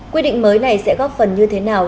quy định mới này sẽ góp phần như thế nào